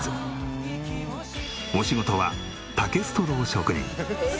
お仕事は竹ストロー職人。